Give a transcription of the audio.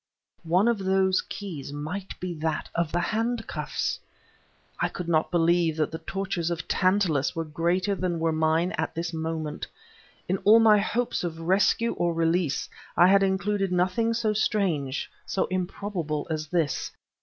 One of those keys might be that of the handcuffs! I could not believe that the tortures of Tantulus were greater than were mine at this moment. In all my hopes of rescue or release, I had included nothing so strange, so improbable as this.